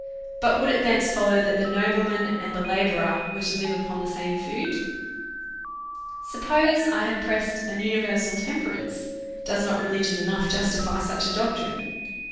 But would it thence follow that the nobleman and the la bourer were to live upon the same food? Suppose I had pressed an universal temperance, does not religion enough justify such a doctrine?